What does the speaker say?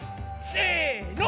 せの。